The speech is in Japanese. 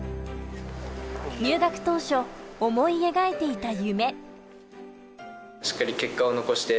入学当初、思い描いていた夢。